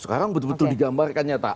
sekarang betul betul digambarkan nyata